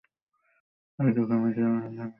গেল দিনের কাম করিয়া কয়টা টাকা আছে তায় দিয়া চলি যাইবে।